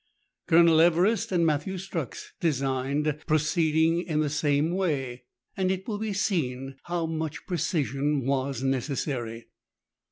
Colonel Everest and Matthew Strux designed proceeding in the same way, and it will be seen how much precision was necessary.